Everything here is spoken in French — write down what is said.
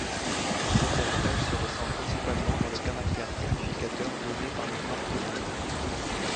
Cet héritage se ressent principalement dans le caractère unificateur donné par le plan tonal.